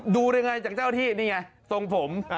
ดูเลยไงจากเจ้าหน้าที่นี่ไงทรงผม